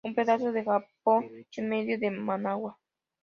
Un pedazo de Japón en medio de Managua.